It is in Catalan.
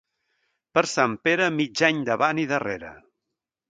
Per Sant Pere, mig any davant i darrere.